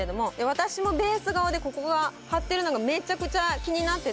私もベース顔でここが張ってるのがめちゃくちゃ気になってて。